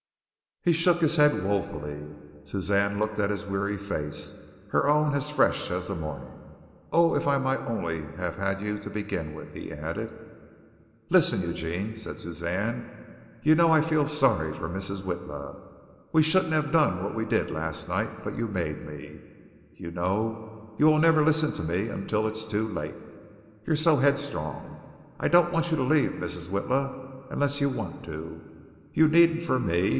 He shook his head woefully. Suzanne looked at his weary face, her own as fresh as the morning. "Oh, if I might only have had you to begin with!" he added. "Listen, Eugene," said Suzanne. "You know I feel sorry for Mrs. Witla. We shouldn't have done what we did last night, but you made me. You know you will never listen to me, until it's too late. You're so headstrong! I don't want you to leave Mrs. Witla unless you want to. You needn't for me.